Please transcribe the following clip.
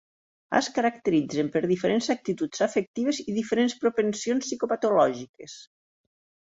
Es caracteritzen per diferents actituds afectives i diferents propensions psicopatològiques.